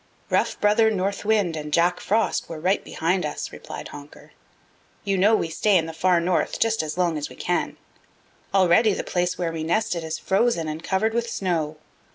"Rough Brother North Wind and Jack Frost were right behind us," replied Honker. "You know we stay in the Far North just as long as we can. Already the place where we nested is frozen and covered with snow.